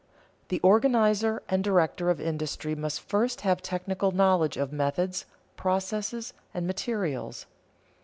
_The organizer and director of industry must first have technical knowledge of methods, processes, and materials.